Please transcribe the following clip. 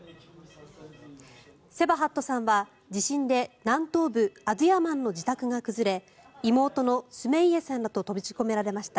セバハットさんは地震で南東部アドゥヤマンの自宅が崩れ妹のスメイエさんらと閉じ込められました。